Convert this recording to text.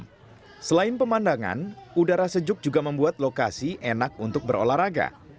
nah selain pemandangan udara sejuk juga membuat lokasi enak untuk berolahraga